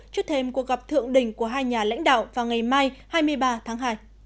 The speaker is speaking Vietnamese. trước thêm cuộc gặp thượng đỉnh của hai nhà lãnh đạo vào ngày mai hai mươi ba tháng hai